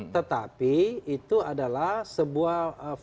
tetapi itu adalah sebuah